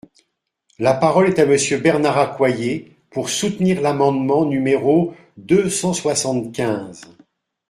La parole est à Monsieur Bernard Accoyer, pour soutenir l’amendement numéro deux cent soixante-quinze.